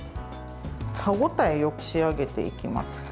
歯応えよく仕上げていきます。